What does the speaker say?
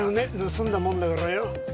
盗んだもんだからよ。